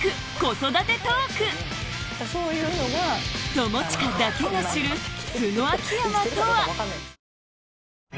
友近だけが知る素の秋山とは？